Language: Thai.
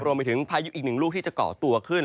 รวมไปถึงพายุอีก๑ลูกที่จะเกาะตัวขึ้น